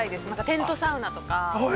テントサウナとか。